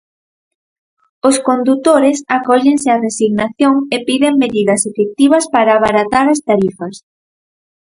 Os condutores acóllense á resignación e piden medidas efectivas para abaratar as tarifas.